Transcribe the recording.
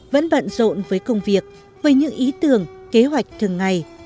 vẫn bận rộn với công việc với những ý tưởng kế hoạch thường ngày